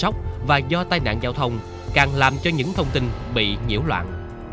các tai nạn giao thông càng làm cho những thông tin bị nhiễu loạn